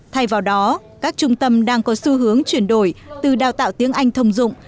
thay vào đó các trung tâm đang có xu hướng chuyển đổi từ đào tạo tiếng anh thông dụng